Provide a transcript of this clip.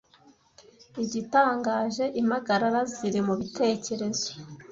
Igitangaje, impagarara ziri mubitekerezo